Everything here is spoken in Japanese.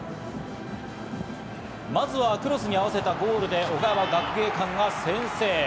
まずはクロスに合わせたゴールで岡山学芸館が先制。